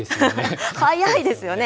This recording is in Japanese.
早いですよね。